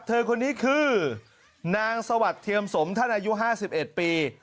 เธอคนนี้คือนางสวัสดิ์เทียมสมท่านอายุ๕๑ปี